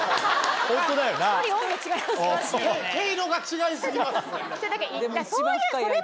毛色が違い過ぎます。